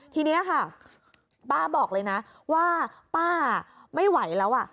ทีนี้ค่ะป้าบอกเลยนะว่าป้าไม่ไหวแล้วอ่ะ